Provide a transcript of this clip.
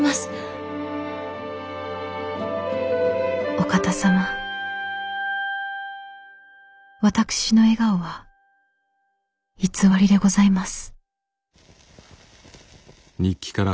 「お方様私の笑顔は偽りでございます」。